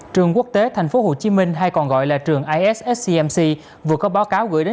trường quốc tế tp hcm hay còn gọi là trường issmc vừa có báo cáo gửi đến